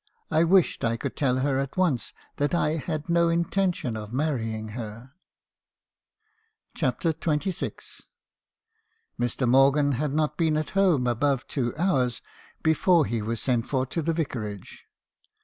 I wished I could tell her at once that I had no intention of marrying her." CHAPTER XXVI. "Mr. Morgan had not been at home above two hours be fore he was sent for to the Vicarage.